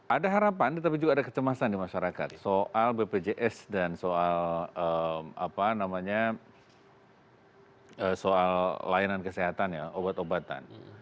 ada harapan tetapi juga ada kecemasan di masyarakat soal bpjs dan soal apa namanya soal layanan kesehatan ya obat obatan